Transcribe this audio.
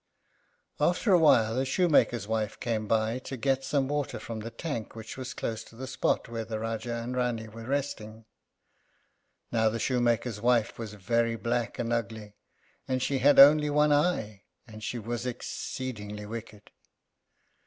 After a while a shoemaker's wife came by to get some water from a tank which was close to the spot where the Rájá and Rání were resting. Now, the shoemaker's wife was very black and ugly, and she had only one eye, and she was exceedingly wicked.